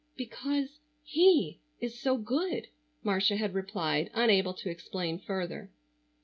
"Because he is so good," Marcia had replied, unable to explain further.